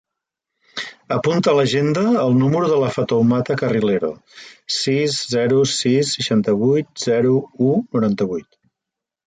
Apunta a l'agenda el número de la Fatoumata Carrilero: sis, zero, sis, seixanta-vuit, zero, u, noranta-vuit.